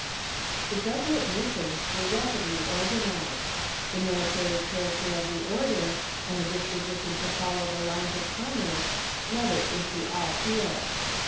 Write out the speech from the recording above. The Jesuit missions were rapidly organized. The military character of the order, and the disposition to follow the lines of commerce, led it into all fields.